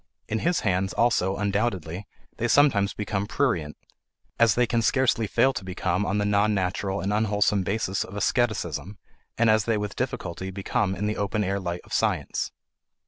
In his hands, also, undoubtedly, they sometimes become prurient, as they can scarcely fail to become on the non natural and unwholesome basis of asceticism, and as they with difficulty become in the open air light of science.